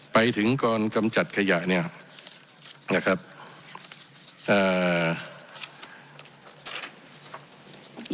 ไปถึงกรกำจัดขยะเนี่ยนะครับอ่า